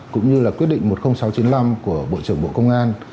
cũng như là quyết định một mươi nghìn sáu trăm chín mươi năm của bộ trưởng bộ công an